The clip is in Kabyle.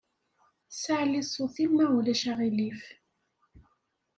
Saɛli ṣṣut-im ma ulac aɣilif.